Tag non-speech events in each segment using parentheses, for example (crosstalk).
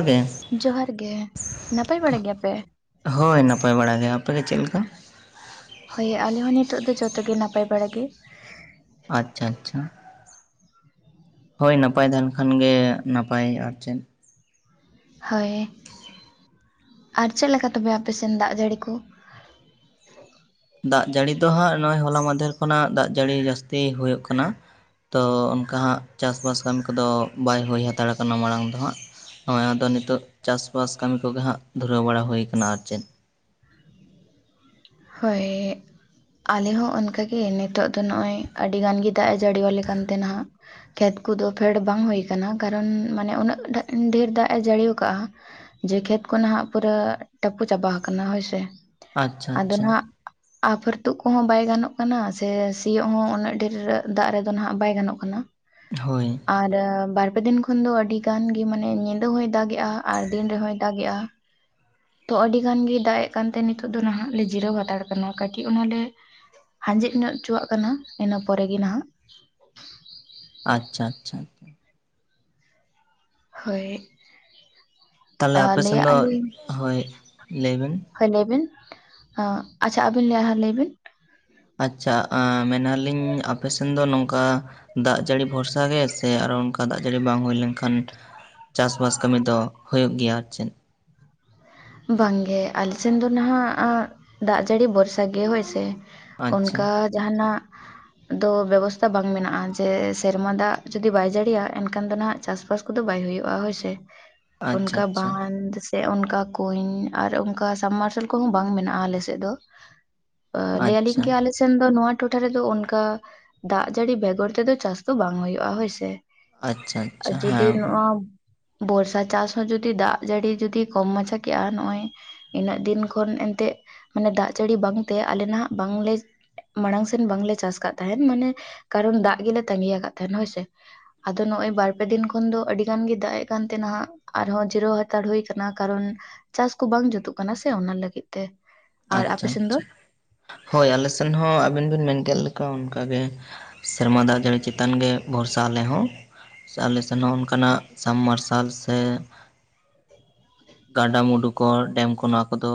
ᱜᱮ ᱡᱚᱦᱟᱨ ᱜᱮ ᱾ᱱᱟᱯᱟᱭ ᱵᱟᱲᱟᱭ ᱜᱮᱭᱟᱯᱮ? ᱦᱳᱭ ᱱᱟᱯᱟᱭ ᱵᱟᱲᱟ ᱜᱮ ᱟᱯᱮ ᱜᱮ ᱪᱮᱫ ᱞᱮᱠᱟ? ᱦᱚᱭ ᱟᱞᱮ ᱦᱚᱸ ᱱᱤᱛᱚᱜ ᱫᱚ ᱡᱷᱚᱛᱚ ᱜᱮ ᱱᱟᱯᱟᱭ ᱵᱟᱲᱟ ᱜᱮ ᱟᱪᱪᱷᱟ ᱟᱪᱪᱷᱟ ᱦᱳᱭ ᱱᱟᱯᱟᱭ ᱛᱟᱦᱮᱱ ᱠᱷᱟᱱ ᱜᱮ ᱱᱟᱯᱟᱭ ᱟᱨ ᱪᱮᱫ ᱦᱳᱭ, ᱟᱨ ᱪᱮᱫ ᱞᱮᱠᱟ ᱛᱚᱵᱮ ᱟᱯᱮ ᱥᱮᱱ ᱫᱟᱜ ᱡᱟᱹᱲᱤ ᱠᱚ ᱫᱟᱜ ᱡᱟᱹᱲᱤ ᱫᱚ ᱦᱟᱸᱜ ᱱᱚᱜᱼᱚᱭ ᱦᱚᱞᱟ ᱢᱟᱫᱷᱮᱨ ᱠᱷᱚᱱᱟᱜ ᱫᱟᱜ ᱡᱟᱹᱲᱤ ᱡᱟᱹᱥᱛᱤ ᱦᱩᱭᱩᱜ ᱠᱟᱱᱟ᱾ ᱛᱚ ᱚᱱᱠᱟ ᱦᱟᱸᱜ ᱪᱟᱥ-ᱵᱟᱥ ᱠᱟᱹᱢᱤ ᱠᱚᱫᱚ ᱵᱟᱭ ᱦᱩᱭ ᱦᱟᱛᱟᱲ ᱟᱠᱟᱱᱟ ᱢᱟᱲᱟᱝ ᱫᱚ ᱦᱟᱸᱜ ᱱᱚᱜᱚᱭ ᱟᱫᱚ ᱱᱤᱛᱚᱜ ᱪᱟᱥᱵᱟᱥ ᱠᱟᱹᱢᱤ ᱠᱚᱜᱮ ᱦᱟᱸᱜ ᱫᱷᱩᱨᱟᱹᱣ ᱵᱟᱲᱟ ᱦᱩᱭ ᱟᱠᱟᱱᱟ ᱟᱨ ᱪᱮᱫ ᱦᱳᱭ ᱟᱞᱮ ᱦᱚᱸ ᱚᱱᱠᱟᱜᱮ ᱱᱤᱛᱚᱜ ᱫᱚ ᱱᱚᱜᱼᱚᱭ ᱟᱹᱰᱤ ᱜᱟᱱ ᱜᱮ ᱫᱟᱜ ᱮ ᱡᱟᱹᱲᱤᱣᱟᱞᱮ ᱠᱟᱱ ᱛᱮᱱᱦᱟᱜ ᱠᱷᱮᱛ ᱠᱚᱫᱚ ᱯᱷᱮᱰ ᱵᱟᱝ ᱦᱩᱭ ᱠᱟᱱᱟ ᱠᱟᱨᱚᱱ ᱢᱟᱱᱮ ᱩᱱᱟᱹᱜ ᱰᱷᱮᱨ ᱫᱟᱜ ᱮ ᱡᱟᱹᱲᱤᱣ ᱠᱟᱼᱟ ᱡᱮ ᱠᱷᱮᱛ ᱠᱚ ᱱᱟᱦᱜ ᱯᱩᱨᱟᱹ ᱴᱟᱹᱯᱩ ᱪᱟᱵᱟ ᱟᱠᱟᱱᱟ ᱦᱳᱭᱥᱮ ᱟᱪᱪᱷᱟ ᱟᱫᱚ ᱟᱪᱪᱷᱟ ᱱᱟᱱᱟᱜ ᱟᱯᱷᱟᱹᱨ ᱛᱩᱜ ᱠᱚᱦᱚᱸ ᱵᱟᱭ ᱜᱟᱱᱚᱜ ᱠᱟᱱᱟ ᱥᱮ ᱥᱤᱭᱳᱜ ᱦᱚᱸ ᱩᱱᱟᱹᱜ ᱰᱷᱮᱨ ᱫᱟᱜ ᱨᱮᱫᱚ ᱱᱟᱦᱟᱜ ᱵᱟᱭ ᱜᱟᱱᱚᱜ ᱠᱟᱱᱟ᱾ ᱦᱳᱭ ᱟᱨ ᱵᱟᱨᱯᱮ ᱫᱤᱱ ᱠᱷᱚᱱ ᱫᱚ ᱟᱹᱰᱤ ᱜᱟᱱ ᱜᱮ ᱢᱟᱱᱮ ᱧᱤᱫᱟᱹ ᱦᱚᱸᱭ ᱫᱟᱜᱮᱼᱟ ᱟᱨ ᱫᱤᱱ ᱨᱮᱦᱚᱸᱭ ᱫᱟᱜᱮᱼᱟ᱾ ᱛᱚ ᱟᱹᱰᱤ ᱜᱟᱱ ᱜᱮ ᱫᱟᱜ ᱮᱜ ᱠᱟᱱᱛᱮ ᱱᱤᱛᱚᱜ ᱫᱚ ᱱᱟᱦᱟᱜ ᱞᱮ ᱡᱤᱨᱟᱹᱣ ᱦᱟᱛᱟᱲ ᱠᱟᱱᱟ ᱠᱟᱹᱴᱤᱡ ᱚᱱᱟᱞᱮ ᱟᱸᱡᱮᱫ ᱧᱚᱜ ᱦᱚᱪᱚᱣᱟᱜ ᱠᱟᱱᱟ ᱤᱱᱟᱹ ᱯᱚᱨᱮᱜ ᱜᱮ ᱱᱟᱦᱟᱜ ᱟᱪᱪᱷᱟ ᱟᱪᱪᱷᱟ ᱦᱳᱭ ᱛᱟᱦᱚᱞᱮ ᱟᱯᱮᱥᱮᱱ ᱞᱟᱹᱭᱟᱜ ᱫᱚ ᱟᱹᱞᱤᱧ ᱦᱳᱭ ᱞᱟᱹᱭᱵᱤᱱ ᱦᱳᱭ ᱞᱟᱹᱭ ᱵᱤᱱ ᱟᱪᱪᱷᱟ ᱟᱹᱵᱤᱱ ᱞᱟᱹᱭ ᱞᱟᱹᱭ ᱵᱤᱱ᱾ ᱟᱪᱪᱷᱟ ᱢᱮᱱᱟᱞᱤᱧ ᱟᱯᱮᱥᱱ ᱫᱚ ᱱᱚᱝᱠᱟ ᱫᱟᱜ ᱡᱟᱹᱲᱤ ᱵᱷᱚᱨᱥᱟ ᱜᱮ ᱥᱮ ᱟᱨᱚ ᱚᱱᱠᱟ ᱫᱟᱜ ᱡᱟᱹᱲᱤ ᱵᱟᱝ ᱦᱩᱭ ᱞᱮᱱᱠᱷᱟᱱ ᱪᱟᱥᱼᱵᱟᱥ ᱠᱟᱹᱢᱤ ᱫᱚ ᱦᱩᱭᱩᱜ ᱜᱮᱭᱟ ᱪᱮᱫ ᱵᱟᱝᱜᱮ ᱟᱞ ᱥᱮᱱ ᱫᱚ ᱱᱟᱦᱟᱜ ᱫᱟᱜ ᱡᱟᱹᱲᱤ ᱵᱷᱚᱨᱥᱟ ᱜᱮ ᱦᱳᱭ ᱥᱮ ᱟᱪᱪᱷᱟ ᱚᱱᱠᱟ ᱡᱟᱦᱟᱱᱟᱜ ᱫᱚ ᱵᱮᱵᱚᱥᱛᱟ ᱵᱟᱝ ᱢᱮᱱᱟᱜᱼᱟ ᱡᱮ ᱥᱮᱨᱢᱟ ᱫᱟᱜ ᱡᱩᱫᱤ ᱵᱟᱭ ᱡᱟᱹᱲᱤᱭᱤᱭᱟ ᱮᱱᱠᱷᱟᱱ ᱫᱚ ᱱᱟᱦᱟᱜ ᱪᱟᱥᱵᱟᱥ ᱠᱚᱫᱚ ᱵᱟᱭ ᱦᱩᱭᱩᱜᱼᱟ ᱦᱳᱭᱥᱮ ᱟᱪᱪᱷᱟ ᱚᱱᱠᱟ ᱟᱪᱪᱷᱟ ᱵᱟᱸᱫ ᱥᱮ ᱚᱱᱠᱟ ᱠᱩᱧ ᱟᱨ ᱚᱱᱠᱟ ᱥᱟᱵᱢ ᱢᱟᱨᱥᱟᱞ ᱠᱚᱦᱚᱸ ᱵᱟᱝ ᱢᱮᱱᱟᱜᱼᱟ ᱟᱞᱮ ᱥᱮᱫ ᱫᱚ᱾ ᱞᱟᱹᱭ ᱟᱹᱞᱤᱧ ᱟᱪᱪᱷᱟ ᱜᱮ ᱟᱞᱮᱼᱼ ᱥᱮᱱ ᱫᱚ ᱱᱚᱣᱟ ᱴᱚᱴᱷᱟ ᱨᱮᱫᱚ ᱚᱱᱠᱟ ᱫᱟᱜ ᱡᱟᱹᱲᱤ ᱵᱮᱜᱚᱨ ᱛᱮᱫᱚ ᱪᱟᱥ ᱫᱚ ᱵᱟᱝ ᱦ ᱦᱩᱭᱩᱜᱼᱟ ᱦᱳᱭᱥᱮ᱾ ᱟᱪᱪᱷᱟ ᱟᱨ ᱟᱪᱪᱷᱟ ᱡᱩᱫᱤ ᱦᱮᱸ ᱱᱚᱣᱟ ᱵᱚᱨᱥᱟ ᱪᱟᱥ ᱦᱚᱸ ᱡᱩᱫᱤ ᱫᱟᱜ ᱡᱟᱹᱲᱤ ᱡᱩᱫᱤ ᱠᱚᱢ ᱢᱟᱪᱷᱟ ᱠᱮᱜᱼᱟ ᱱᱚᱜᱼᱚᱭ ᱮᱱᱟᱹᱜ ᱫᱤᱱ ᱠᱷᱚᱱ ᱮᱱᱛᱮᱜ ᱢᱟᱱᱮ ᱫᱟᱜ ᱡᱟᱹᱲᱤ ᱵᱟᱝᱛᱮ ᱟᱞᱮ ᱱᱟᱦᱟᱜ ᱵᱟᱝᱞᱮ ᱢᱟᱲᱟᱝ ᱥᱮᱱ ᱵᱟᱝᱞᱮ ᱪᱟᱥ ᱟᱠᱟᱫ ᱛᱟᱦᱮᱸᱱ ᱢᱟᱱᱮ ᱠᱟᱨᱚᱱ ᱫᱟᱜ ᱜᱮᱞᱮ ᱛᱟᱺᱜᱤᱭᱟ ᱟᱠᱟᱫ ᱛᱟᱦᱮᱸᱱ ᱦᱳᱭᱥᱮ ᱟᱫᱚ ᱱᱚᱜ ᱚᱭ ᱵᱟᱨ ᱯᱮ ᱫᱤᱱ ᱠᱷᱚᱱ ᱫᱚ ᱟᱹᱰᱤ ᱜᱟᱱ ᱜᱮ ᱫᱟᱜ ᱮ ᱠᱟᱱ ᱛᱮᱱᱦᱟᱜ ᱟᱨᱦᱚᱸ ᱡᱤᱨᱟᱹᱣ ᱦᱟᱛᱟᱲ ᱦᱩᱭ ᱟᱠᱟᱱᱟ ᱠᱟᱨᱚᱱ ᱪᱟᱥ ᱠᱚ ᱵᱟᱝ ᱡᱩᱛᱩᱜ ᱠᱟᱱᱟ ᱥᱮ ᱚᱱᱟ ᱞᱟᱹᱜᱤᱫ ᱛᱮ ᱟᱨ ᱟᱪᱪᱷᱟ ᱟᱯᱮ ᱥᱮᱱ ᱫᱚ ᱟᱪᱪᱷᱟ ᱦᱳᱭ ᱟᱞᱮ ᱥᱮᱱ ᱦᱚᱸ ᱟᱵᱤᱱ ᱵᱤᱱ ᱢᱮᱱ ᱠᱮᱫ ᱞᱮᱠᱟ ᱚᱱᱠᱟᱜᱮ ᱥᱮᱨᱢᱟ ᱫᱟᱜ ᱡᱟᱹᱲᱤ ᱪᱮᱛᱟᱱ ᱜᱮ ᱵᱷᱚᱨᱥᱟ ᱟᱞᱮ ᱦᱚᱸ᱾ ᱥᱮ ᱟᱞᱮ ᱥᱮᱱ ᱦᱚᱸ ᱚᱱᱠᱟᱱᱟᱜ ᱥᱟᱢᱵ ᱢᱟᱨᱥᱟᱞ ᱥᱮ ᱜᱟᱰᱟᱼᱢᱩᱰᱩ ᱠᱚ ᱰᱮᱢ ᱠᱚ ᱱᱚᱣᱟ ᱠᱚᱫᱚ,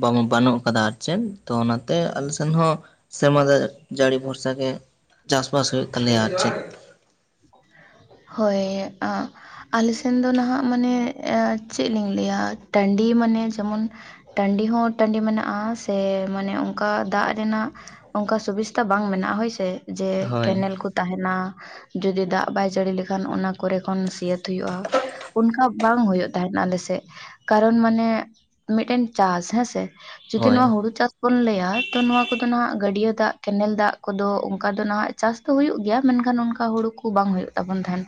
ᱵᱟᱱ ᱵᱟᱹᱱᱩᱜ ᱟᱠᱟᱫᱟ ᱟᱨ ᱪᱮᱫ ᱛᱚ ᱚᱱᱟᱛᱮ ᱟᱞᱮ ᱥᱮᱱ ᱦᱚᱸ ᱥᱮᱨᱢᱟ ᱫᱟᱜ ᱡᱟᱹᱲᱤ ᱵᱷᱚᱨᱥᱟ ᱜᱮ ᱪᱟᱥᱵᱟᱥ ᱦᱩᱭᱩᱜ ᱛᱟᱞᱮᱭᱟ, ᱟᱨ ᱪᱮᱫ (unintelligible) ᱦᱳᱭ ᱟᱜ ᱟᱞᱮ ᱥᱮᱫ ᱫᱚ ᱱᱟᱦᱟᱜ ᱢᱟᱱᱮ ᱪᱮᱫ ᱞᱤᱧ ᱞᱟᱹᱭᱟ ᱴᱟᱺᱰᱤ ᱢᱟᱱᱮ ᱡᱮᱢᱚᱱ ᱴᱟᱺᱰᱤ ᱦᱚᱸ ᱴᱟᱺᱰᱤ ᱢᱮᱱᱟᱜᱼᱟ ᱥᱮ ᱢᱟᱱᱮ ᱚᱱᱠᱟ ᱫᱟᱜ ᱨᱮᱱᱟᱜ ᱚᱱᱠᱟ ᱥᱩᱵᱤᱥᱛᱟ ᱵᱟᱝ ᱢᱮᱱᱟᱜᱼᱟ, ᱦᱳᱭ ᱥᱮ ᱡᱮ ᱦᱳᱭ ᱠᱮᱱᱮᱞ ᱠᱚ ᱛᱟᱦᱮᱱᱟ ᱡᱩᱫᱤ ᱫᱟᱜ ᱵᱟᱭ ᱡᱟᱹᱲᱤ ᱞᱮᱠᱷᱟᱱ ᱚᱱᱟ ᱠᱚᱨᱮ ᱠᱷᱚᱱ ᱥᱤᱭᱟᱹᱛ ᱦᱩᱭᱩᱜᱼᱟ᱾ ᱚᱱᱠᱟ ᱵᱟᱝ ᱦᱩᱭᱩᱜ ᱛᱟᱦᱮᱸᱱᱟ ᱟᱞᱮᱥᱮᱫ ᱠᱟᱨᱚᱱ ᱢᱟᱱᱮ ᱢᱤᱫᱴᱮᱱ ᱪᱟᱥ ᱦᱮᱸᱥᱮ ᱡᱩᱫᱤ ᱦᱳᱭ ᱱᱚᱣᱟ ᱦᱩᱲᱩ ᱪᱟᱥ ᱵᱚᱱ ᱞᱟᱹᱭᱟ ᱛᱚ ᱱᱚᱣᱟ ᱠᱚᱫᱚ ᱱᱟᱦᱟᱜ ᱜᱟᱹᱰᱭᱟᱹ ᱫᱟᱜ ᱠᱮᱱᱮᱞ ᱫᱟᱜ ᱠᱚᱫᱚ ᱚᱱᱠᱟ ᱫᱚ ᱱᱟᱦᱟᱜ ᱪᱟᱥ ᱛᱳ ᱦᱩᱭᱩᱜ ᱜᱮᱭᱟ ᱢᱮᱱᱠᱷᱟᱱ ᱚᱱᱠᱟ ᱦᱳᱲᱳ ᱠᱚ ᱵᱟᱝ ᱦᱳᱭᱳᱜ ᱛᱟᱵᱚᱱ ᱛᱟᱦᱮᱱ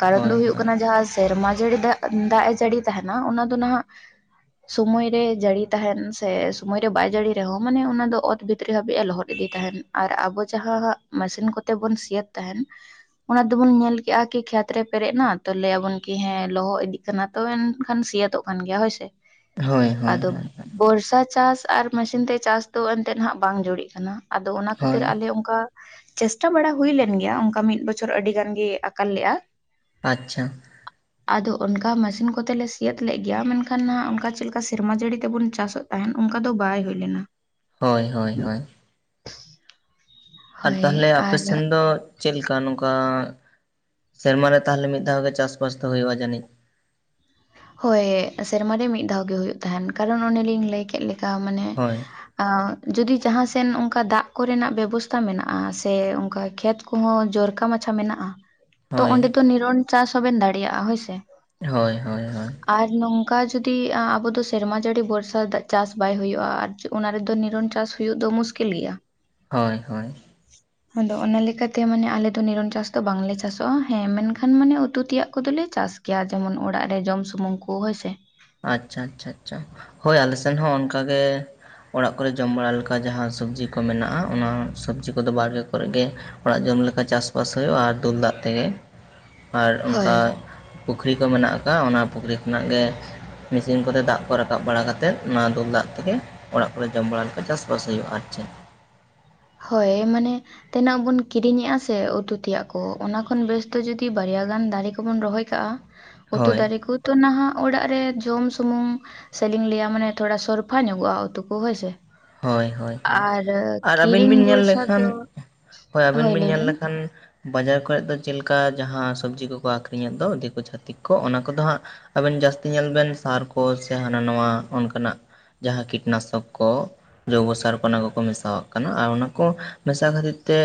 ᱠᱟᱨᱚᱱ ᱫᱚ ᱦᱳᱭ ᱦᱳᱭᱳᱜ ᱦᱳᱭ ᱠᱟᱱᱟ ᱡᱟᱦᱟᱸ ᱥᱮᱨᱢᱟ ᱡᱟᱹᱲᱤ ᱫᱟᱜ ᱫᱟᱜ ᱮ ᱡᱟᱹᱲᱤ ᱛᱟᱦᱮᱱᱟ ᱚᱱᱟ ᱫᱚ ᱱᱟᱦᱟᱜ ᱥᱚᱢᱚᱭ ᱨᱮ ᱡᱟᱹᱲᱤ ᱛᱟᱦᱮᱱ ᱥᱮ ᱥᱳᱢᱚᱭ ᱨᱮ ᱵᱟᱭ ᱡᱟᱹᱲᱤ ᱨᱮᱦᱚᱸ ᱢᱟᱱᱮ ᱚᱱᱟ ᱫᱚ ᱚᱛ ᱵᱷᱤᱛ ᱵᱷᱤᱛᱨᱤ ᱦᱟᱹᱵᱤᱡ ᱮ ᱞᱚᱦᱚᱫ ᱤᱫᱤ ᱛᱟᱦᱮᱱ ᱟᱨ ᱟᱵᱚ ᱡᱟᱦᱟᱸ ᱢᱮᱥᱤᱱ ᱠᱚᱛᱮ ᱵᱚᱱ ᱥᱤᱭᱮᱫ ᱛᱟᱦᱮᱱ ᱚᱱᱟ ᱫᱚᱵᱚᱱ ᱧᱮᱞ ᱠᱮᱫᱼᱟ ᱠᱤ ᱠᱷᱮᱛ ᱨᱮ ᱯᱮᱨᱮᱡ ᱮᱱᱟ ᱛᱚ ᱞᱟᱹᱭᱟᱵᱚᱱ ᱠᱤ ᱦᱮᱸ ᱞᱚᱦᱚᱜ ᱤᱫᱤᱜ ᱠᱟᱱᱟ ᱛᱚ ᱮᱱᱠᱷᱟᱱ ᱥᱤᱭᱟᱹᱛᱚᱜ ᱠᱟᱱ ᱜᱮᱭᱟ ᱦᱳᱭ ᱥᱮ, ᱦᱳᱭ ᱦᱳᱭ ᱟᱫᱚ ᱦᱳᱭ ᱵᱚᱨᱥᱟ ᱪᱟᱥ ᱟᱨ ᱢᱮᱥᱤᱱ ᱛᱮ ᱪᱟᱥ ᱫᱚ ᱮᱱᱛᱮᱫ ᱦᱟᱜ ᱵᱟᱝ ᱡᱩᱨᱤᱜ ᱠᱟᱱᱟ, ᱟᱫᱚ ᱚᱱᱟ ᱦᱳᱭ ᱠᱷᱟᱹᱛᱤᱨ ᱟᱞᱮ ᱚᱱᱠᱟ ᱪᱮᱥᱴᱟ ᱵᱟᱲᱟ ᱦᱩᱭ ᱞᱮᱱ ᱜᱮᱭᱟ, ᱚᱱᱠᱟ ᱢᱤᱫ ᱵᱚᱪᱷᱚᱨ ᱟᱹᱰᱤ ᱜᱟᱱ ᱜᱮ ᱟᱠᱟᱞ ᱞᱮᱜᱼᱟ᱾ ᱟᱪᱪᱷᱟ ᱟᱫᱚ ᱚᱱᱠᱟ ᱢᱮᱥᱤᱱ ᱠᱚᱛᱮᱞᱮ ᱥᱤᱭᱮᱛ ᱞᱮᱫ ᱜᱮᱭᱟ ᱢᱮᱱᱠᱷᱟᱱ ᱱᱟᱜ ᱚᱱᱠᱟ ᱪᱮᱫ ᱞᱮᱠᱟ ᱥᱮᱨᱢᱟ ᱡᱟᱹᱲᱤ ᱛᱮᱵᱚᱱ ᱪᱟᱥᱚᱜ ᱛᱟᱦᱮᱱ ᱚᱱᱠᱟ ᱫᱚ ᱵᱟᱭ ᱦᱩᱭ ᱞᱮᱱᱟ᱾ ᱦᱳᱭ ᱦᱳᱭ ᱦᱳᱭ ᱟᱨ ᱦᱳᱭ ᱛᱟᱦᱚᱞᱮ ᱟᱯᱮ ᱟᱨ ᱥᱮᱱ ᱫᱚ ᱪᱮᱫ ᱞᱮᱠᱟ ᱱᱚᱝᱠᱟ ᱥᱮᱨᱢᱟ ᱨᱮ ᱛᱟᱦᱚᱞᱮ ᱢᱤᱫ ᱫᱷᱟᱣ ᱜᱮ ᱪᱟᱥᱵᱟᱥ ᱫᱚ ᱦᱩᱭᱩᱜᱼᱟ ᱡᱟᱹᱱᱤᱡ ᱦᱳᱭ ᱥᱮᱨᱢᱟ ᱨᱮ ᱢᱤᱫ ᱫᱷᱟᱣ ᱜᱮ ᱦᱩᱭᱩᱜ ᱛᱟᱦᱮᱱ ᱠᱟᱨᱚᱱ ᱚᱱᱮᱞᱤᱧ ᱞᱟᱹᱭ ᱠᱮᱫ ᱞᱮᱠᱟ ᱢᱟᱱᱮ ᱦᱳᱭ ᱡᱩᱫᱤ ᱡᱟᱦᱟᱸ ᱥᱮᱱ ᱚᱱᱠᱟ ᱫᱟᱜ ᱠᱚᱨᱮᱱᱟᱜ ᱵᱮᱵᱚᱥᱛᱟ ᱢᱮᱱᱟᱜᱼᱟ ᱥᱮ ᱚᱱᱠᱟ ᱠᱷᱮᱛ ᱠᱚᱦᱚᱸ ᱡᱚᱨᱠᱟ ᱢᱟᱪᱷᱟ ᱢᱮᱱᱟᱜᱼᱟ ᱛᱚ ᱦᱳᱭ ᱚᱸᱰᱮ ᱫᱚ ᱱᱤᱨᱚᱱ ᱪᱟᱥ ᱦᱚᱸᱵᱮᱱ ᱫᱟᱲᱮᱭᱟᱜᱼᱟ ᱦᱳᱭᱥᱮ ᱦᱳᱭ ᱦᱳᱭ ᱦᱳᱭ ᱟᱨ ᱱᱚᱝᱠᱟ ᱡᱩᱫᱤ ᱟᱵᱚ ᱫᱚ ᱥᱮᱨᱢᱟ ᱡᱟᱹᱲᱤ ᱵᱚᱨᱥᱟ ᱫᱟᱜ ᱪᱟᱥ ᱵᱟᱭ ᱦᱩᱭᱩᱜᱼᱟ ᱟᱨ ᱚᱱᱟ ᱨᱮᱫᱚ ᱱᱤᱨᱚᱱ ᱪᱟᱥ ᱦᱳᱭᱳᱜ ᱫᱚ ᱢᱩᱥᱠᱤᱞ ᱜᱮᱭᱟ᱾ ᱦᱳᱭ ᱦᱳᱭ ᱟᱫᱚ ᱚᱱᱟ ᱞᱮᱠᱟᱛᱮ ᱢᱟᱱᱮ ᱟᱞᱮ ᱫᱚ ᱱᱤᱨᱚᱱ ᱪᱟᱥ ᱫᱚ ᱵᱟᱝᱞᱮ ᱪᱟᱥᱚᱜᱼᱟ, ᱦᱮᱸ ᱢᱮᱱᱠᱷᱟᱱ ᱢᱟᱱᱮ ᱩᱛᱩ ᱛᱮᱭᱟᱜ ᱠᱚᱫᱚᱞᱮ ᱪᱟᱥ ᱠᱮᱭᱟ ᱡᱮᱢᱚᱱ ᱚᱲᱟᱜ ᱨᱮ ᱡᱚᱢ ᱥᱩᱢᱩᱝ ᱠᱚ ᱦᱳᱭ ᱥᱮ ᱟᱪᱪᱷᱟ ᱟᱪᱪᱷᱟ ᱟᱪᱪᱷᱟ ᱦᱳᱭ ᱟᱞᱮ ᱥᱮᱱ ᱦᱚᱸ ᱚᱱᱠᱟ ᱜᱮ᱾ ᱚᱲᱟᱜ ᱠᱚᱨᱮ ᱡᱚᱢ ᱵᱟᱲᱟ ᱞᱮᱠᱟ ᱡᱟᱦᱟᱸ ᱥᱚᱵᱡᱤ ᱠᱚ ᱢᱮᱱᱟᱜᱼᱟ ᱚᱱᱟ ᱥᱚᱵᱡᱤ ᱠᱚᱫᱚ ᱵᱟᱲᱜᱮ ᱠᱚᱨᱮ ᱜᱮ ᱚᱲᱟᱜ ᱡᱚᱢ ᱞᱮᱠᱟ ᱪᱟᱥᱵᱟᱥ ᱦᱩᱭᱩᱜᱼᱟ ᱟᱨ ᱫᱩᱞ ᱫᱟᱜ ᱛᱮᱜᱮ, ᱟᱨ ᱦᱳᱭ ᱚᱱᱠᱟ ᱯᱩᱠᱷᱨᱤ ᱠᱚ ᱢᱮᱱᱟᱜ ᱠᱟᱜ-ᱟ ᱚᱱᱟ ᱯᱩᱠᱷᱨᱤ ᱠᱷᱚᱱᱟᱜ ᱜᱮ᱾ ᱢᱮᱥᱤᱱ ᱠᱚᱛᱮ ᱫᱟᱜ ᱠᱚ ᱨᱟᱠᱟᱵ ᱵᱟᱲᱟ ᱠᱟᱛᱮᱫ ᱚᱱᱟ ᱫᱩᱞ ᱫᱟᱜ ᱛᱮᱜᱮ᱾ ᱚᱲᱟᱜ ᱠᱚᱨᱮ ᱡᱚᱢ ᱵᱟᱲᱟ ᱞᱮᱠᱟ ᱪᱟᱥᱵᱟᱥ ᱦᱩᱭᱩᱜᱼᱟ ᱟᱨ ᱪᱮᱫ ᱦᱚᱭ ᱢᱟᱱᱮ ᱛᱤᱱᱟᱹᱜ ᱵᱚᱱ ᱠᱤᱨᱤᱧᱮᱜᱼᱟ ᱥᱮ ᱩᱛᱩ ᱛᱮᱭᱟᱜ ᱠᱚ ᱚᱱᱟ ᱠᱷᱚᱱ ᱵᱮᱥ ᱫᱚ ᱡᱩᱫᱤ ᱵᱟᱨᱭᱟ ᱜᱟᱱ ᱫᱟᱨᱮ ᱠᱚᱵᱚᱱ ᱨᱚᱦᱚᱭ ᱠᱟᱜᱼᱟ᱾ ᱩᱛᱩ ᱦᱳᱭ ᱫᱟᱨᱮ ᱠᱚ ᱛᱚ ᱱᱟᱦᱟᱜ ᱚᱲᱟᱜ ᱨᱮ ᱡᱚᱢ ᱥᱩᱢᱩᱝ ᱥᱮᱞᱤᱧ ᱞᱟᱹᱭᱟ ᱢᱟᱱᱮ ᱛᱷᱚᱲᱟ ᱥᱚᱨᱯᱷᱟ ᱧᱚᱜᱚᱜᱼᱟ ᱩᱛᱩ ᱠᱚ ᱦᱳᱭᱥᱮ᱾ ᱦᱚᱭ ᱦᱚᱭ ᱦᱚᱭ ᱟᱨ ᱟᱹᱵᱤᱱ ᱠᱤᱨᱤᱧ ᱵᱤᱱ ᱧᱮᱞ ᱵᱷᱚᱨᱥᱟ ᱞᱮᱠᱷᱟᱱ ᱫᱚ ᱦᱚᱭ ᱟᱹᱵᱤᱱ ᱦᱳᱭ ᱵᱤᱱ ᱞᱟᱹᱭ ᱧᱮᱞ ᱵᱮᱱ ᱞᱮᱠᱷᱟᱱ (unintelligible) ᱵᱟᱡᱟᱨ ᱠᱚᱨᱮᱫ ᱫᱚ ᱪᱮᱫ ᱞᱮᱠᱟ ᱡᱟᱦᱟᱸ ᱥᱚᱵᱽᱡᱤ ᱠᱚᱠᱚ ᱟᱠᱷᱨᱤᱧ ᱮᱫ ᱫᱚ ᱫᱤᱠᱩ ᱪᱷᱟᱛᱤᱠ ᱠᱚ ᱚᱱᱟ ᱠᱚᱫᱚ ᱦᱟᱸᱜ ᱟᱵᱮᱱ ᱡᱟᱹᱥᱛᱤ ᱧᱮᱞ ᱵᱮᱱ ᱥᱟᱨ ᱠᱚ ᱥᱮ ᱦᱟᱱᱟ ᱱᱟᱣᱟ ᱚᱱᱠᱟᱱᱟᱜ ᱡᱟᱦᱟᱸ ᱠᱤᱴᱱᱟᱥᱚᱠ ᱠᱚ ᱡᱳᱵᱚ ᱥᱟᱨ ᱠᱚ ᱚᱱᱟ ᱠᱚᱠᱚ ᱢᱮᱥᱟᱣᱟᱜ ᱠᱟᱱᱟ ᱟᱨ ᱚᱱᱟ ᱠᱚ ᱢᱮᱥᱟ ᱠᱷᱟᱹᱛᱤᱨ ᱛᱮ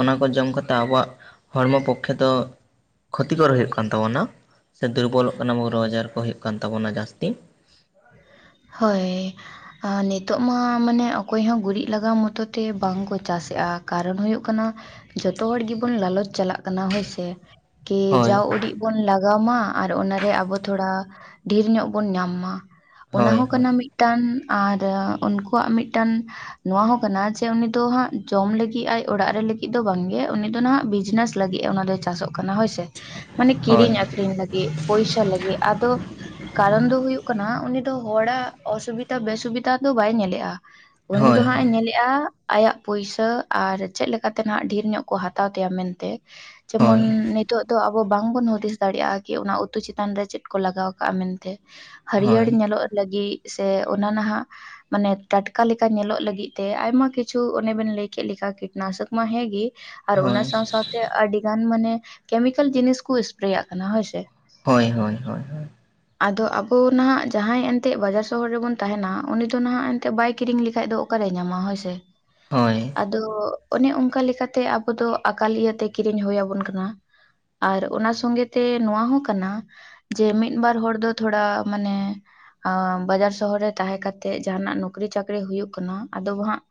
ᱚᱱᱟ ᱠᱚ ᱡᱚᱢ ᱠᱟᱛᱮ ᱟᱵᱚᱣᱟᱜ ᱦᱚᱲᱢᱚ ᱯᱚᱠᱠᱷᱮ ᱫᱚ ᱠᱷᱚᱛᱤᱠᱚᱨ ᱦᱩᱭᱩᱜ ᱠᱟᱱ ᱛᱟᱵᱚᱱᱟ ᱥᱮ ᱫᱩᱨᱵᱚᱞᱚᱜ ᱠᱟᱱᱟ ᱵᱚ ᱨᱚᱜᱽ ᱟᱡᱟᱨ ᱠᱚ ᱦᱩᱭᱩᱜ ᱠᱟᱱ ᱛᱟᱵᱚᱱᱟ ᱡᱟᱹᱥᱛᱤ ᱦᱳᱭ ᱱᱤᱛᱚᱜ ᱢᱟ ᱢᱟᱱᱮ ᱚᱠᱚᱭ ᱦᱚᱸ ᱜᱩᱨᱤᱡ ᱞᱟᱜᱟᱣ ᱢᱚᱛᱚ ᱛᱮ ᱵᱟᱝᱠᱚ ᱪᱟᱥ ᱮᱜᱼᱟ ᱠᱟᱨᱚᱱ ᱦᱩᱭᱩᱜ ᱠᱟᱱᱟ ᱡᱚᱛᱚ ᱦᱚᱲ ᱜᱮᱵᱚᱱ ᱞᱟᱞᱚᱪ ᱪᱟᱞᱟᱜ ᱠᱟᱱᱟ ᱦᱳᱭᱥᱮ ᱠᱤ ᱦᱳᱭ ᱡᱟᱣ ᱩᱰᱤᱡ ᱵᱚᱱ ᱞᱟᱜᱟᱣ ᱢᱟ ᱟᱨ ᱚᱱᱟᱨᱮ ᱟᱵᱚ ᱛᱷᱚᱲᱟ ᱰᱷᱤᱨ ᱧᱚᱜ ᱵᱚᱱ ᱧᱟᱢ ᱢᱟ ᱾ ᱚᱱᱟ ᱦᱳᱭ ᱦᱚᱸ ᱦᱳᱭ ᱠᱟᱱᱟ ᱢᱤᱫᱴᱟᱝ ᱟᱨ ᱩᱱᱠᱩᱣᱟᱜ ᱢᱤᱫᱴᱟᱝ ᱾ ᱱᱚᱣᱟ ᱦᱚᱸ ᱠᱟᱱᱟ ᱡᱮ ᱩᱱᱤ ᱫᱚ ᱦᱟᱸᱜ ᱡᱚᱢ ᱞᱟᱹᱜᱤᱫ ᱟᱡ ᱚᱲᱟᱜ ᱨᱮ ᱞᱟᱹᱜᱤᱫ ᱫᱚ ᱵᱟᱝᱜᱮ ᱩᱱᱤ ᱫᱚ ᱱᱟᱦᱟᱜ ᱵᱤᱡᱱᱮᱥ ᱞᱟᱹᱜᱤᱫ ᱮ ᱚᱱᱟ ᱫᱚᱭ ᱪᱟᱥᱚᱜ ᱠᱟᱱᱟ ᱦᱳᱭ ᱥᱮ ᱾ ᱢᱟᱱᱮ ᱦᱳᱭ ᱠᱤᱨᱤᱧ ᱟᱠᱷᱨᱤᱧ ᱞᱟᱹᱜᱤᱫ ᱯᱚᱭᱥᱟ ᱞᱟᱹᱜᱤᱫ ᱟᱫᱚ ᱠᱟᱨᱚᱱ ᱫᱚ ᱦᱩᱭᱩᱜ ᱠᱟᱱᱟ ᱫᱚ ᱦᱚᱲᱟᱜ ᱚᱥᱩᱵᱤᱫᱟ ᱵᱮᱥᱩᱵᱤᱫᱟ ᱫᱚ ᱵᱟᱭ ᱧᱮᱞᱮᱜᱼᱟ ᱩᱱᱤ ᱦᱳᱭ ᱫᱚ ᱦᱟᱸᱜ ᱮ ᱧᱮᱞᱮ (inaudible) ᱟᱭᱟᱜ ᱯᱩᱭᱥᱟᱹ ᱟᱨ ᱪᱮᱫ ᱞᱮᱠᱟᱛᱮ ᱱᱟᱦᱟᱜ ᱰᱷᱮᱨ ᱧᱚᱜ ᱠᱚ ᱦᱟᱛᱟᱣ ᱛᱟᱭᱟ ᱢᱮᱱᱛᱮ ᱾ ᱡᱮᱢᱚᱱᱻ ᱦᱳᱭ ᱦᱳᱭ ᱱᱤᱛ ᱾ ᱱᱤᱛᱚᱜ ᱫᱚ ᱟᱵᱚ ᱵᱟᱝᱵᱚᱱ ᱦᱩᱫᱤᱥ ᱫᱟᱲᱮᱭᱟᱜᱼᱟ ᱠᱤ ᱚᱱᱟ ᱩᱛᱩ ᱪᱮᱛᱟᱱ ᱨᱮ ᱪᱮᱫ ᱠᱚ ᱞᱟᱜᱟᱣ ᱠᱟᱜᱼᱟ ᱢᱮᱱᱛᱮ ᱦᱟᱹᱨᱭᱟᱹᱲ ᱦᱳᱭ ᱧᱮᱞᱚᱜ ᱞᱟᱹᱜᱤᱫ ᱥᱮ ᱚᱱᱟ ᱱᱟᱦᱟᱜ ᱢᱟᱱᱮ ᱴᱟᱴᱠᱟ ᱞᱮᱠᱟ ᱧᱮᱞᱚᱜ ᱞᱟᱹᱜᱤᱫ ᱛᱮ ᱟᱭᱢᱟ ᱠᱤᱪᱷᱩ ᱚᱱᱮ ᱵᱮᱱ ᱞᱟᱹᱭ ᱠᱮᱫ ᱞᱮᱠᱟ ᱠᱤᱴᱱᱟᱥᱚᱠ ᱢᱟ ᱦᱮᱸᱜᱮ ᱟᱨ ᱚᱱᱟ ᱦᱳᱭ ᱥᱟᱶ ᱥᱟᱶᱛᱮ ᱟᱹᱰᱤ ᱜᱟᱱ ᱢᱟᱱᱮ ᱠᱮᱢᱤᱠᱮᱞ ᱡᱤᱱᱤᱥ ᱠᱚ ᱥᱯᱨᱮᱭᱟᱜ ᱠᱟᱱᱟ ᱦᱳᱭᱥᱮ ᱦᱳᱭ ᱦᱳᱭ ᱦᱳᱭ ᱦᱳᱭ ᱟᱫᱚ ᱟᱵᱚ ᱱᱟᱦᱟᱜ ᱡᱟᱦᱟᱸᱭ ᱮᱱᱛᱮᱫ ᱵᱟᱡᱟᱨ ᱥᱚᱦᱚᱨ ᱨᱮᱵᱚᱱ ᱛᱟᱦᱮᱱᱟ ᱩᱱᱤ ᱫᱚ ᱱᱟᱦᱟᱜ ᱮᱱᱛᱮ ᱵᱟᱭ ᱠᱤᱨᱤᱧ ᱞᱮᱠᱷᱟᱡ ᱫᱚ ᱚᱠᱟᱨᱮ ᱧᱟᱢᱟ ᱦᱳᱭ ᱥᱮ ᱾ ᱦᱳᱭ ᱟᱫᱚ ᱚᱱᱮ ᱚᱱᱠᱟ ᱞᱮᱠᱟᱛᱮ ᱟᱵᱚ ᱫᱚ ᱟᱠᱟᱞ ᱤᱭᱟ ᱛᱮ ᱠᱤᱨᱤᱧ ᱦᱩᱭᱟᱵᱚᱱ ᱠᱟᱱᱟ ᱾ ᱟᱨ ᱚᱱᱟ ᱥᱚᱸᱜᱮ ᱛᱮ ᱱᱚᱣᱟ ᱦᱚᱸ ᱠᱟᱱᱟ ᱡᱮ ᱢᱤᱫ ᱵᱟᱨ ᱦᱚᱲ ᱫᱚ ᱛᱷᱚᱲᱟ ᱢᱟᱱᱮ (inaudible) ᱵᱟᱡᱟᱨ ᱥᱚᱦᱚᱨ ᱨᱮ ᱛᱟᱦᱮᱸ ᱠᱟᱛᱮᱜ ᱡᱟᱦᱟᱱᱟᱜ ᱱᱚᱠᱨᱤ ᱪᱟᱹᱠᱨᱤ ᱦᱩᱭᱩᱜ ᱠᱟᱱᱟ ᱟᱫᱚ ᱦᱟᱸᱜ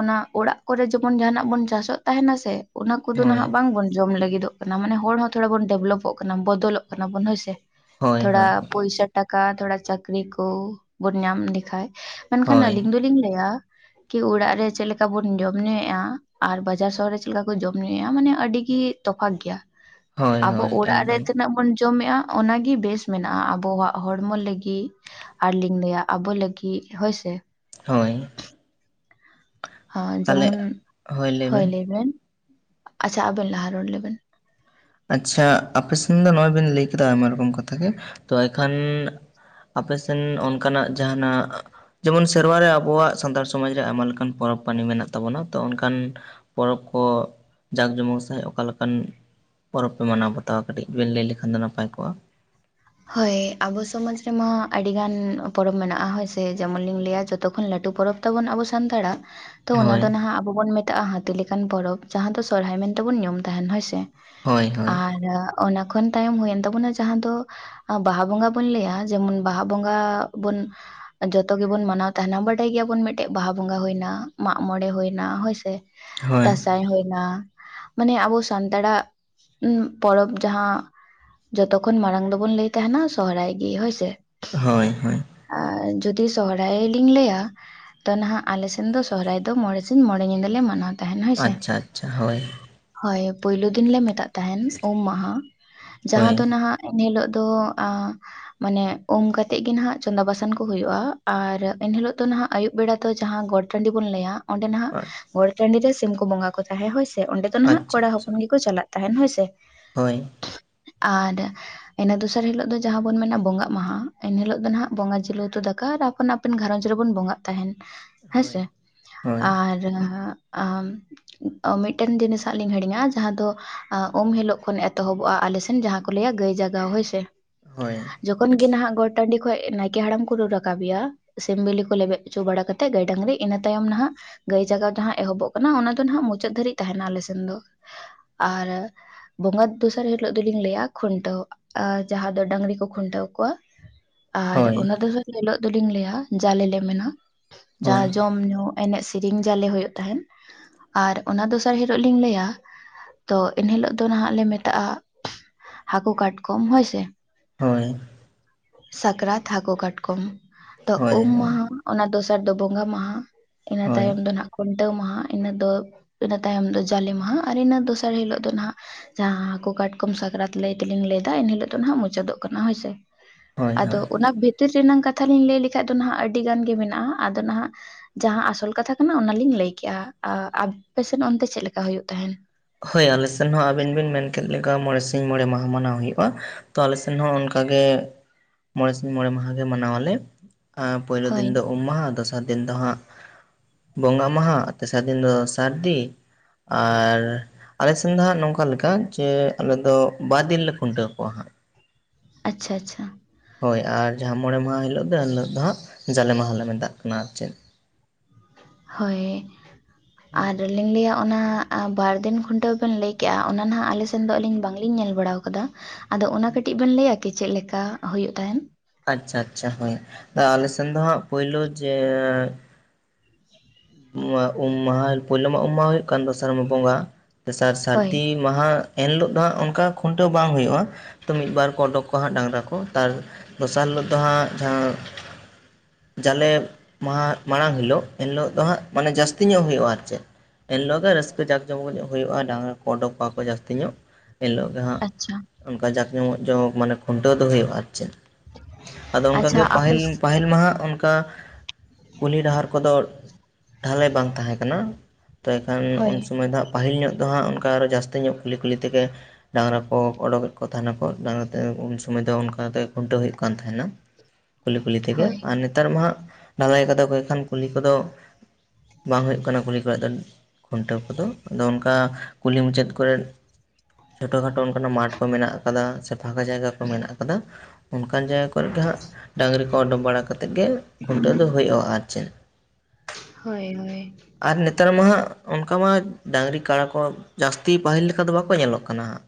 ᱚᱱᱟ ᱚᱲᱟᱜ ᱠᱚᱨᱮ ᱡᱮᱢᱚᱱ ᱡᱟᱦᱱᱟᱜ ᱵᱚᱱ ᱪᱟᱥᱚᱜ ᱛᱟᱦᱮᱱᱟ ᱥᱮ ᱚᱱᱟ ᱠᱚᱫᱚ ᱱᱟᱦᱟᱜ ᱦᱳᱭ ᱵᱟᱝᱵᱚᱱ ᱡᱚᱢ ᱞᱟᱹᱜᱤᱫᱚᱜ ᱠᱟᱱᱟ ᱢᱟᱱᱮ ᱦᱚᱲ ᱦᱚᱸ ᱛᱷᱚᱲᱟ ᱵᱚᱱ ᱰᱮᱵᱷᱞᱚᱯᱚᱜ ᱠᱟᱱᱟ ᱵᱚᱫᱚᱞᱚᱜ ᱠᱟᱱᱟ ᱵᱚᱱ ᱦᱳᱭᱥᱮ ᱾ ᱦᱳᱭ ᱛᱷᱚᱲᱟ ᱦᱳᱭ ᱯᱚᱭᱥᱟ ᱴᱟᱠᱟ ᱛᱷᱚᱲᱟ ᱪᱟᱠᱨᱤ ᱠᱚ ᱵᱚᱱ ᱧᱟᱢ ᱞᱮᱠᱷᱟᱡ ᱾ ᱢᱮᱱᱠᱷᱟᱱ ᱦᱳᱭ ᱟᱹᱞᱤᱧ ᱫᱚ ᱞᱤᱧ ᱞᱟᱹᱭᱟ ᱾ ᱠᱤ ᱚᱲᱟᱜ ᱨᱮ ᱪᱮᱫ ᱞᱮᱠᱟ ᱵᱚᱱ ᱡᱚᱢ ᱧᱩᱭᱮᱫᱼᱟ ᱟᱨ ᱵᱟᱡᱟᱨ ᱥᱚᱦᱚᱨ ᱨᱮ ᱪᱮᱫ ᱞᱮᱠᱟ ᱠᱚ ᱡᱚᱢ ᱧᱩᱭᱮᱫᱼᱟ ᱢᱟᱱᱮ ᱟᱹᱰᱤᱜᱤ ᱛᱚᱯᱷᱟᱛ ᱜᱮᱭᱟ᱾ (inaudible) ᱟᱵᱚ ᱦᱳᱭ ᱚᱲᱟᱜ ᱨᱮ ᱮᱠᱫᱚᱢ ᱛᱤᱱᱟᱹᱜ ᱵᱚᱱ ᱡᱚᱢᱮᱫᱼᱟ ᱚᱱᱟᱜᱤ ᱵᱮᱥ ᱢᱮᱱᱟᱜᱼᱟ ᱟᱵᱚᱣᱟᱜ ᱦᱚᱲᱢᱚ ᱞᱟᱹᱜᱤᱫ ᱟᱨ ᱞᱤᱧ ᱞᱟᱭᱟ ᱟᱵᱚ ᱞᱟᱹᱜᱤᱫ ᱦᱳᱭ ᱥᱮ ᱾ ᱦᱳᱭ ᱾ (inaudible) ᱡᱮᱢᱚᱱ ᱦᱳᱭ ᱞᱟᱹᱭ ᱵᱮᱱ ᱟᱪᱪᱷᱟ ᱟᱵᱮᱱ ᱞᱟᱦᱟ ᱨᱚᱲ ᱞᱮᱵᱮᱱ ᱾ ᱟᱪᱪᱷᱟ ᱟᱯᱮ ᱥᱮᱱ ᱫᱚ ᱱᱚᱜᱼᱚᱭ ᱵᱮᱱ ᱞᱟᱹᱭ ᱠᱮᱫᱟ ᱟᱭᱢᱟ ᱨᱚᱠᱚᱢ ᱠᱟᱛᱷᱟ ᱜᱮ ᱛᱚ ᱮᱱᱠᱷᱟᱱ ᱟᱯᱮ ᱥᱮᱱ ᱚᱱᱠᱟᱱᱟᱜ ᱡᱟᱦᱟᱱᱟᱜ ᱡᱮᱢᱚᱱ ᱥᱮᱨᱣᱟ ᱨᱮ ᱟᱵᱚᱣᱟᱜ ᱥᱟᱱᱛᱟᱲ ᱥᱚᱢᱟᱡᱽ ᱨᱮ ᱟᱭᱢᱟ ᱞᱮᱠᱟᱱ ᱯᱚᱨᱚᱵᱽ ᱯᱟᱱᱤ ᱢᱮᱱᱟᱜ ᱛᱟᱵᱚᱱᱟ ᱛᱚ ᱚᱱᱠᱟᱱ ᱯᱚᱨᱚᱵᱽ ᱠᱚ ᱡᱟᱠ ᱡᱚᱢᱚᱠ ᱥᱟᱺᱦᱤᱡ ᱚᱠᱟ ᱞᱮᱠᱟᱱ ᱯᱚᱨᱚᱵᱽ ᱯᱮ ᱢᱟᱱᱟᱣ ᱵᱟᱛᱟᱣᱟ ᱠᱟᱹᱴᱤᱡ ᱵᱮᱱ ᱞᱟᱹᱭ ᱞᱮᱠᱷᱟᱱ ᱫᱚ ᱱᱟᱯᱟᱭ ᱠᱚᱜᱼᱟ ᱦᱳᱭ ᱟᱵᱚ ᱥᱚᱢᱟᱡᱽ ᱨᱮᱢᱟ ᱟᱹᱰᱤᱜᱟᱱ ᱯᱚᱨᱚᱵᱽ ᱢᱮᱱᱟᱜᱼᱟ ᱦᱳᱭ ᱥᱮ ᱡᱮᱢᱚᱱ ᱞᱤᱧ ᱞᱟᱹᱭᱟ ᱡᱚᱛᱚ ᱠᱷᱚᱱ ᱞᱟᱹᱴᱩ ᱯᱚᱨᱚᱵᱽ ᱛᱟᱵᱚᱱ ᱟᱵᱚ ᱥᱟᱱᱛᱟᱲᱟᱜ ᱛᱚ ᱚᱱᱟ ᱫᱚ ᱦᱳᱭ ᱱᱟᱦᱟᱜ ᱟᱵᱚ ᱵᱚᱱ ᱢᱮᱛᱟᱜᱼᱟ ᱦᱟᱹᱛᱤ ᱞᱮᱠᱟᱱ ᱯᱚᱨᱚᱵᱽ ᱡᱟᱦᱟᱸ ᱫᱚ ᱥᱚᱨᱦᱟᱭ ᱢᱮᱱᱛᱮᱵᱚᱱ ᱧᱩᱢ ᱛᱟᱦᱮᱱ ᱦᱳᱭ ᱥᱮ ᱦᱳᱭ ᱾ ᱦᱳᱭ ᱟᱨ ᱚᱱᱟ ᱠᱷᱚᱱ ᱛᱟᱭᱚᱢ ᱦᱩᱭᱮᱱ ᱛᱟᱵᱚᱱᱟ ᱡᱟᱦᱟᱸ ᱫᱚ ᱵᱟᱦᱟ ᱵᱚᱸᱜᱟ ᱵᱚᱱ ᱞᱟᱹᱭᱟ ᱡᱮᱢᱚᱱ ᱵᱟᱦᱟ ᱵᱚᱸᱜᱟ ᱵᱚᱱ ᱡᱚᱛᱚ ᱜᱮᱵᱚᱱ ᱢᱟᱱᱟᱣ ᱛᱟᱦᱮᱱᱟ ᱵᱟᱰᱟᱭ ᱜᱮᱭᱟᱵᱚᱱ ᱢᱤᱫᱴᱮᱡ ᱵᱟᱦᱟ ᱵᱚᱸᱜᱟ ᱦᱩᱭᱮᱱᱟ ᱢᱟᱜ ᱢᱚᱬᱮ ᱦᱩᱭᱮᱱᱟ ᱦᱳᱭ ᱥᱮ ᱾ ᱦᱳᱭ ᱫᱟᱸᱥᱟᱭ ᱦᱩᱭᱱᱟ ᱢᱟᱱᱮ ᱟᱵᱚ ᱥᱟᱱᱛᱟᱲᱟᱜ ᱯᱚᱨᱚᱵᱽ ᱡᱟᱦᱟᱸ ᱡᱚᱛᱚᱠᱷᱚᱱ ᱢᱟᱲᱟᱝ ᱫᱚ ᱵᱚᱱ ᱞᱟᱹᱭ ᱛᱟᱦᱮᱱᱟ ᱥᱚᱦᱨᱟᱭ ᱜᱮ ᱦᱳᱭ ᱥᱮ ᱦᱳᱭ ᱦᱳᱭ ᱟᱨ ᱡᱩᱫᱤ ᱥᱚᱦᱚᱨᱟᱭ ᱞᱤᱧ ᱞᱟᱹᱭᱟ ᱛᱚ ᱱᱟᱦᱟᱜ ᱟᱞᱮ ᱥᱮᱱ ᱫᱚ ᱥᱚᱦᱚᱨᱟᱭ ᱫᱚ ᱢᱚᱬᱮ ᱥᱤᱧ ᱢᱚᱬᱮ ᱧᱤᱫᱟᱹ ᱞᱮ ᱢᱟᱱᱟᱣ ᱛᱟᱦᱮᱱ ᱦᱳᱭ ᱥᱮ ᱟᱪᱪᱷᱟ ᱟᱪᱪᱷᱟ ᱦᱳᱭ ᱦᱳᱭ ᱯᱳᱭᱞᱳ ᱫᱤᱱ ᱞᱮ ᱢᱮᱛᱟᱜ ᱛᱟᱦᱮᱱ ᱩᱢ ᱢᱟᱦᱟ ᱡᱟᱦᱟᱸ ᱦᱳᱭ ᱫᱚ ᱱᱟᱦᱟᱜ ᱮᱱᱦᱤᱞᱳᱜ ᱛᱳ ᱟᱸᱜ ᱢᱟᱱᱮ ᱩᱢ ᱠᱟᱛᱮᱜ ᱜᱮ ᱱᱟᱦᱟᱜ ᱪᱚᱸᱫᱟ ᱵᱟᱥᱟᱝ ᱠᱚ ᱦᱩᱭᱩᱜᱼᱟ ᱟᱨ ᱮᱱᱦᱤᱞᱳᱜ ᱫᱚ ᱱᱟᱦᱟᱜ ᱟᱹᱭᱩᱵ ᱵᱮᱲᱟ ᱫᱚ ᱡᱟᱦᱟᱸ ᱜᱚᱴ ᱴᱟᱹᱸᱰᱤ ᱵᱚᱱ ᱞᱟᱹᱭᱟ ᱚᱸᱰᱮ ᱱᱟᱦᱟᱜ ᱟᱪᱪᱷᱟ ᱜᱚᱴ ᱴᱟᱹᱸᱰᱤ ᱨᱮ ᱥᱤᱢ ᱠᱚ ᱵᱚᱸᱜᱟ ᱠᱚ ᱛᱟᱦᱮᱸ ᱦᱳᱭ ᱥᱮ ᱚᱸᱰᱮ ᱫᱚ ᱱᱟᱦᱟᱜ ᱟᱪᱪᱷᱟ ᱠᱚᱲᱟ ᱦᱚᱯᱚᱱ ᱜᱮᱠᱚ ᱪᱟᱞᱟᱜ ᱛᱟᱦᱮᱱ ᱦᱳᱭ ᱥᱮ ᱦᱳᱭ ᱟᱨ ᱤᱱᱟᱹ ᱫᱚᱥᱟᱨ ᱦᱤᱞᱳᱜ ᱫᱚ ᱡᱟᱦᱟᱸ ᱵᱚᱱ ᱢᱮᱱᱟ ᱵᱚᱸᱜᱟᱜ ᱢᱟᱦᱟᱸ ᱮᱱ ᱦᱤᱞᱳᱜ ᱫᱚ ᱱᱟᱦᱟᱜ ᱵᱚᱸᱜᱟ ᱡᱤᱞ ᱩᱛᱩ ᱫᱟᱠᱟ ᱟᱨ ᱟᱯᱚᱱ (unintelligible) ᱟᱯᱮᱱ ᱜᱷᱟᱨᱚᱡᱽ ᱨᱮᱵᱚᱱ ᱵᱚᱸᱜᱟᱜ ᱛᱟᱦᱮᱱ ᱦᱮᱸᱥᱮ ᱦᱳᱭ ᱦᱳᱭ ᱟᱨ ᱢᱤᱫᱴᱮᱱ ᱡᱤᱱᱤᱥ ᱟᱜ ᱞᱤᱧ ᱦᱤᱲᱤᱧᱟ ᱡᱟᱦᱟᱸ ᱫᱚ ᱩᱢ ᱦᱤᱞᱳᱜ ᱠᱷᱚᱱ ᱮᱛᱚᱦᱚᱵᱚᱜᱼᱟ ᱟᱞᱮᱥᱮᱱ ᱡᱟᱦᱟᱸ ᱠᱚ ᱞᱟᱹᱭ ᱟ ᱜᱟᱹᱭ ᱡᱟᱜᱟᱣ ᱦᱳᱭ ᱥᱮ ᱦᱳᱭ ᱡᱚᱠᱷᱚᱱ ᱜᱮ ᱱᱟᱦᱟᱜ ᱜᱚᱴ ᱴᱟᱹᱸᱰᱤ ᱠᱷᱚᱡ ᱱᱟᱭᱠᱮ ᱦᱟᱲᱟᱢ ᱠᱚ ᱨᱩ ᱨᱟᱠᱟᱵ ᱮᱭᱟ ᱥᱤᱢ ᱵᱤᱞᱤ ᱠᱚ ᱞᱮᱵᱮᱫ ᱦᱚᱪᱚ ᱵᱟᱲᱟ ᱠᱟᱛᱮᱜ ᱜᱟᱹᱭ ᱰᱟᱹᱝᱨᱤ ᱤᱱᱟᱹ ᱛᱟᱭᱚᱢ ᱱᱟᱦᱟᱜ ᱜᱟᱹᱭ ᱡᱟᱜᱟᱣ ᱡᱟᱦᱟ ᱮᱦᱚᱵᱚᱜ ᱠᱟᱱᱟ ᱚᱱᱟ ᱫᱚ ᱱᱟᱦᱟᱜ ᱢᱩᱪᱟᱹᱫ ᱫᱷᱟᱹᱨᱤᱡ ᱛᱟᱦᱮᱱᱟ ᱟᱞᱮ ᱥᱮᱱ ᱫᱚ ᱟᱨ ᱵᱚᱸᱜᱟ ᱫᱚᱥᱟᱨ ᱦᱤᱞᱳᱜ ᱫᱩᱞᱤᱧ ᱞᱟᱹᱭᱟ ᱠᱷᱩᱱᱴᱟᱹᱣ ᱟᱨ ᱡᱟᱦᱟ ᱫᱚ ᱰᱟᱹᱝᱨᱤ ᱠᱚ ᱠᱷᱩᱱᱴᱟᱹᱣ ᱠᱚᱣᱟ ᱟᱨ ᱦᱳᱭ ᱚᱱᱟ ᱫᱚ ᱦᱤᱞᱳᱜ ᱫᱚᱞᱤᱧ ᱞᱟᱹᱭᱟ ᱡᱟᱞᱮ ᱞᱮ ᱢᱮᱱᱟ ᱡᱟ ᱦᱳᱭ ᱡᱚᱢ ᱧᱩ ᱮᱱᱮᱡ ᱥᱮᱨᱮᱧ ᱡᱟᱞᱮ ᱦᱩᱭᱩᱜ ᱛᱟᱦᱮᱸᱱ ᱟᱨ ᱚᱱᱟ ᱫᱚᱥᱟᱨ ᱦᱤᱞᱳᱜ ᱞᱤᱧ ᱞᱟᱹᱭᱟ ᱛᱚ ᱮᱱᱦᱤᱞᱳᱜ ᱫᱚ ᱱᱟᱦᱟᱜ ᱞᱮ ᱢᱮᱛᱟᱜᱼᱟ ᱦᱟᱹᱠᱩ ᱠᱟᱴᱠᱚᱢ ᱦᱳᱭ ᱥᱮ ᱦᱳᱭ ᱥᱟᱠᱨᱟᱛ ᱦᱟᱹᱠᱩ ᱠᱟᱴᱠᱚᱢ ᱛᱚ ᱩᱢ ᱢᱟᱦᱟ ᱦᱳᱭ ᱚᱱᱟ ᱫᱚᱥᱟᱨ ᱫᱚ ᱵᱚᱸᱜᱟ ᱢᱟᱦᱟ ᱤᱱᱟᱹ ᱦᱳᱭ ᱛᱟᱭᱚᱢ ᱫᱚ ᱱᱟᱦᱟᱜ ᱠᱷᱩᱱᱴᱟᱹᱣ ᱢᱟᱦᱟ ᱤᱱᱟᱹ ᱫᱚ ᱤᱱᱟᱹ ᱛᱟᱭᱚᱢ ᱫᱚ ᱡᱟᱞᱮ ᱢᱟᱦᱟ ᱟᱨ ᱤᱱᱟᱹ ᱫᱚᱥᱟᱨ ᱦᱤᱞᱳᱜ ᱫᱚ ᱱᱟᱦᱟᱜ ᱡᱟᱦᱟᱸ ᱦᱟᱹᱠᱩ ᱠᱟᱴᱠᱚᱢ ᱥᱟᱠᱨᱟᱛ ᱞᱟᱹᱭ ᱛᱮᱞᱤᱧ ᱞᱟᱹᱭ ᱮᱱᱦᱤᱞᱳᱜ ᱫᱚ ᱦᱟᱜ ᱢᱩᱪᱟᱹᱫᱚᱜ ᱠᱟᱱᱟ ᱦᱳᱭᱥᱮ ᱟᱫᱚ ᱦᱳᱭ ᱚᱱᱟ ᱵᱷᱤᱛ ᱵᱷᱤᱛᱤᱨ ᱨᱮᱱᱟᱝ ᱠᱟᱛᱷᱟ ᱞᱤᱧ ᱞᱟᱹᱭ ᱞᱮᱠᱷᱟᱡ ᱫᱚ ᱱᱟᱦᱟᱜ ᱟᱹᱰᱤᱜᱟᱱ ᱜᱮ ᱢᱮᱱᱟᱜᱼᱟ ᱟᱫᱚ ᱱᱟᱦᱟᱜ ᱡᱟᱦᱟᱸ ᱟᱥᱚᱞ ᱠᱟᱛᱷᱟ ᱠᱟᱱᱟ ᱚᱱᱟᱞᱤᱧ ᱞᱟᱹᱭᱠᱮᱜᱼᱟ ᱟ ᱟᱯᱮᱥᱮᱱ ᱚᱱᱛᱮ ᱪᱮᱫ ᱞᱮᱠᱟ ᱦᱩᱭᱩᱜ ᱛᱟᱦᱮᱸᱱ ᱦᱳᱭ ᱟᱞᱮᱥᱮᱱ ᱦᱚᱸ ᱟᱵᱤᱱ ᱵᱤᱱ ᱢᱮᱱᱠᱮᱫ ᱞᱮᱠᱟ ᱢᱚᱬᱮ ᱥᱤᱧ ᱢᱚᱬᱮ ᱢᱟᱦᱟ ᱢᱟᱱᱟᱣ ᱦᱩᱭᱩᱜᱼᱟ ᱛᱚ ᱟᱞᱮ ᱥᱮᱱ ᱦᱚᱸ ᱚᱱᱠᱟᱜᱮ ᱢᱚᱬᱮ ᱥᱤᱧ ᱢᱚᱬᱮ ᱢᱟᱦᱟ ᱜᱮ ᱢᱟᱱᱟᱣᱟᱞᱮ (unintelligible) ᱯᱳᱭᱞᱳ ᱦᱳᱭ ᱫᱤᱱ ᱫᱚ ᱩᱢ ᱢᱟᱦᱟ ᱫᱚᱥᱟᱨ ᱫᱤᱱ ᱫᱚ ᱦᱟᱸᱜ ᱵᱚᱸᱜᱟ ᱢᱟᱦᱟ ᱛᱮᱥᱟᱨ ᱫᱤᱱ ᱫᱚ ᱥᱟᱹᱨᱫᱤ ᱟᱨ ᱟᱞᱮ ᱥᱮᱱ ᱫᱚ ᱦᱟᱸᱜ ᱱᱚᱝᱠᱟ ᱞᱮᱠᱟ ᱡᱮ ᱟᱞᱮ ᱫᱚ ᱵᱟᱨ ᱫᱤᱱ ᱞᱮ ᱠᱷᱩᱱᱴᱟᱹᱣ ᱠᱚᱣᱟ ᱦᱟᱸᱜ ᱟᱪᱪᱷᱟ ᱟᱪᱪᱷᱟ ᱦᱳᱭ ᱟᱨ ᱡᱟᱦᱟᱸ ᱢᱚᱬᱮ ᱢᱟᱦᱟ ᱦᱤᱞᱳᱜ ᱫᱚ ᱮᱱ ᱦᱤᱞᱳᱜ ᱫᱚ ᱦᱟᱸᱜ ᱡᱟᱞᱮ ᱢᱟᱦᱟᱞᱮ ᱢᱮᱛᱟᱜ ᱠᱟᱱᱟ ᱟᱨ ᱪᱮᱫ ᱦᱳᱭ ᱟᱨ ᱞᱤᱧ ᱞᱟᱹᱭᱟ ᱚᱱᱟ ᱵᱟᱨᱫᱤᱱ ᱠᱷᱩᱱᱴᱟᱹᱣ ᱵᱮᱱ ᱞᱟᱹᱭ ᱠᱮᱜᱼᱟ ᱚᱱᱟ ᱦᱟᱜ ᱟᱞᱮ ᱮᱱ ᱫᱚ ᱟᱹᱞᱤᱧ ᱵᱟᱝᱞᱤᱧ ᱧᱮᱞ ᱵᱟᱲᱟ ᱟᱠᱟᱫᱟ ᱟᱫᱚ ᱚᱱᱟ ᱠᱟᱹᱴᱤᱡ ᱵᱮᱱ ᱞᱟᱹᱭᱟ ᱠᱤ ᱪᱮᱫ ᱞᱮᱠᱟ ᱦᱳᱭᱳᱜ ᱛᱟᱦᱮᱸᱱ ᱟᱪᱪᱷᱟ ᱟᱪᱪᱷᱟ ᱦᱳᱭ ᱟᱞᱮᱥᱮᱱ ᱫᱚ ᱦᱟᱸᱜ ᱯᱳᱭᱞᱩ ᱡᱮ ᱩᱢ ᱩᱢ ᱢᱟᱦᱟ ᱯᱳᱭᱞᱳ ᱢᱟ ᱩᱢ ᱢᱟᱦᱟ ᱦᱩᱭᱩᱜ ᱠᱟᱱ ᱫᱚᱥᱟᱨ ᱢᱟ ᱵᱚᱸᱜᱟ ᱫᱚᱥᱟᱨ ᱦᱳᱭ ᱥᱟᱹᱨᱫᱤ ᱢᱟᱦᱟ ᱮᱱ ᱦᱤᱞᱳᱜ ᱫᱚ ᱦᱟᱸᱜ ᱚᱱᱠᱟ ᱠᱷᱩᱱᱴᱟᱹᱣ ᱵᱟᱝ ᱦᱩᱭᱩᱜᱼᱟ ᱛᱳ ᱢᱤᱫᱵᱟᱨ ᱠᱚ ᱳᱸᱰᱳᱠ ᱠᱚᱜᱣᱟ ᱦᱟᱜ ᱰᱟᱝᱨᱟ ᱠᱚ ᱛᱟᱨ ᱫᱚᱥᱟᱨ ᱦᱤᱞᱳᱜ ᱫᱚ ᱦᱟᱜ ᱡᱟᱦᱟ ᱡᱟᱞᱮ ᱢᱟᱦᱟ ᱢᱟᱲᱟᱝ ᱦᱤᱞᱳᱜ ᱮᱱᱦᱤᱞᱳᱜ ᱫᱚ ᱦᱟᱜ ᱢᱟᱱᱮ ᱡᱟᱹᱥᱛᱤ ᱧᱚᱜ ᱦᱩᱭᱩᱜᱼᱟ ᱟᱨ ᱪᱮᱫ ᱮᱱ ᱦᱤᱞᱚᱜ ᱜᱮ ᱨᱟᱹᱥᱠᱟᱹ ᱡᱟᱠᱡᱚᱢᱚᱠ ᱧᱚᱜ ᱦᱩᱭᱩᱜᱼᱟ ᱰᱟᱝᱨᱟ ᱠᱚ ᱚᱰᱚᱠ ᱠᱚᱣᱟ ᱠᱚ ᱡᱟᱹᱥᱛᱤ ᱧᱚᱜ ᱮᱱᱦᱤᱞᱳᱜ ᱜᱮ ᱦᱟᱸᱜ ᱟᱪᱪᱷᱟ ᱚᱱᱠᱟ ᱡᱟᱠ ᱡᱚᱢᱚᱠ ᱡᱚᱝ ᱢᱟᱱᱮ ᱠᱷᱩᱱᱴᱟᱹᱣ ᱫᱚ ᱦᱩᱭᱩᱜ-ᱟ ᱟᱨ ᱪᱮᱫ ᱟᱫᱚ ᱟᱪᱪᱷᱟ ᱚᱱᱠᱟᱜᱮ ᱟᱯᱮ ᱥ ᱯᱟᱦᱤᱞ ᱢᱟᱦᱟ ᱚᱱᱠᱟ ᱠᱩᱞᱦᱤ ᱰᱟᱦᱟᱨ ᱠᱚᱫᱚ ᱰᱷᱟᱹᱞᱟᱹᱭ ᱵᱟᱝ ᱛᱟᱦᱮᱸ ᱠᱟᱱᱟ ᱛᱚᱵᱮ ᱮᱠᱷᱟᱱ ᱦᱳᱭ ᱩᱱᱥᱩᱢᱚᱭ ᱫᱚ ᱯᱟᱹᱦᱤᱞ ᱧᱚᱜ ᱫᱚ ᱦᱟᱸᱜ ᱚᱱᱠᱟ ᱟᱨᱚ ᱡᱟᱹᱥᱛᱤ ᱧᱚᱜ ᱠᱩᱞᱤ ᱠᱩᱞᱤ ᱛᱮᱜᱮ ᱰᱟᱝᱨᱟ ᱠᱚ ᱚᱰᱚᱠᱮᱫ ᱠᱚ ᱛᱟᱦᱮᱱᱟᱠᱚ ᱰᱟᱝᱨᱟ ᱛᱮ ᱩᱱ ᱥᱚᱢᱟᱹᱭ ᱫᱚ ᱚᱱᱠᱟᱛᱮ ᱠᱷᱩᱱᱴᱟᱹᱣ ᱦᱩᱭᱩᱜ ᱠᱟᱱ ᱛᱟᱦᱮᱱᱟ ᱠᱩᱞᱦᱤ ᱠᱩᱞᱦᱤ ᱛᱮᱜᱮ ᱦᱳᱭ ᱟᱨ ᱱᱮᱛᱟᱨ ᱢᱟ ᱦᱟᱸᱜ ᱰᱷᱟᱹᱞᱟᱭ ᱠᱟᱫᱟ ᱠᱚ ᱠᱷᱟᱱ ᱠᱩᱞᱦᱤ ᱠᱚᱫᱚ ᱵᱟᱝ ᱦᱩᱭᱩᱜ ᱠᱟᱱᱟ ᱠᱩᱞᱦᱤ ᱠᱚᱨᱮᱜ ᱫᱚ ᱠᱷᱩᱱᱴᱟᱹᱣ ᱠᱚᱫᱚ ᱟᱫᱚ ᱚᱱᱠᱟ ᱠᱩᱞᱦᱤ ᱢᱩᱪᱟᱹᱫ ᱠᱚᱨᱮᱫ ᱪᱷᱳᱴᱳ ᱠᱷᱟᱴᱳ ᱚᱱᱠᱟᱱᱟᱜ ᱢᱟᱴ ᱠᱚ ᱢᱮᱱᱟᱜ-ᱟ ᱟᱫᱚ ᱦᱟᱜ ᱯᱷᱟᱠᱟ ᱡᱟᱭᱜᱟ ᱠᱚ ᱢᱮᱱᱟᱜ ᱠᱟᱫᱟ ᱚᱱᱠᱟᱱ ᱡᱟᱭᱜᱟ ᱠᱚᱨᱮ ᱜᱮ ᱦᱟᱜ ᱰᱟᱝᱨᱤ ᱠᱚ ᱳᱰᱳᱝ ᱵᱟᱲᱟ ᱠᱟᱛᱮᱫ ᱜᱮ ᱠᱷᱩᱱᱴᱟᱹᱣ ᱫᱚ ᱦᱳᱭᱳᱜ-ᱟ ᱟᱨ ᱪᱮᱫ ᱦᱳᱭ ᱦᱳᱭ ᱟᱨ ᱱᱮᱛᱟᱨ ᱢᱟ ᱦᱟᱜ ᱚᱱᱠᱟ ᱢᱟ ᱰᱟᱝᱨᱤ ᱠᱟᱲᱟ ᱠᱚ ᱡᱟᱥᱛᱤ ᱯᱟᱹᱦᱤᱞ ᱞᱮᱠᱟ ᱫᱚ ᱵᱟᱠᱚ ᱧᱮᱞᱚᱜ ᱠᱟᱱᱟ ᱦᱟᱜ